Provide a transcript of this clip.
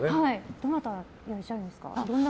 どなたがいらっしゃるんですか？